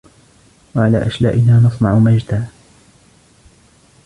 و على أشلائنا نصنع مجدا